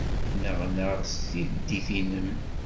Nneɣnaɣ s tiddit-nnem.